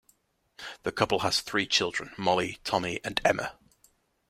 The couple has three children, Molly, Tommy, and Emma.